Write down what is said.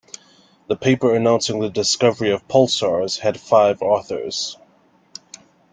The paper announcing the discovery of pulsars had five authors.